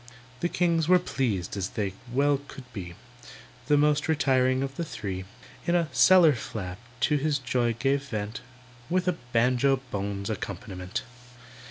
The kings were pleased as they well could be; The most retiring of the three, In a "cellar flap" to his joy gave vent With a banjo bones accompaniment.